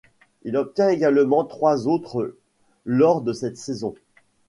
Il obtient également trois autres lors de cette saison.